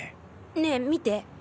ねえ見て。